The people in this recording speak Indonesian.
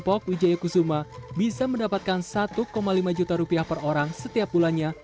kelompok wijaya kusuma bisa mendapatkan rp satu lima juta per orang setiap bulannya